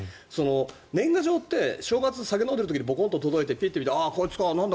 年賀状って正月、酒を飲んでいる時にボコンと届いてピッて見てこいつかなんだ